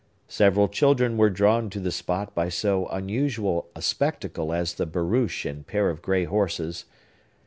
Several children were drawn to the spot by so unusual a spectacle as the barouche and pair of gray horses.